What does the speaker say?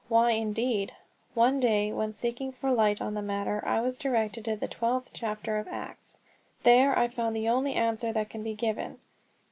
Why indeed? One day when seeking for light on the matter I was directed to the twelfth chapter of Acts. There I found the only answer that can be given.